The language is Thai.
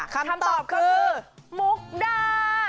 คำตอบคือมุกดา